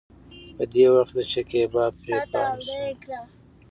په دې وخت کې د شکيبا پې پام شو.